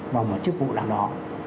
vào một chức vụ nào đó